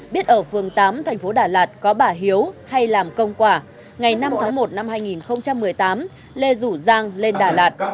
biết ở phường tám thành phố đà lạt có bà hiếu hay làm công quả ngày năm tháng một năm hai nghìn một mươi tám lê rủ giang lên đà lạt